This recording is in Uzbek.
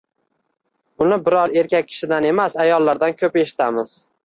Buni biror erkak kishidan emas, ayollardan ko`p eshitamiz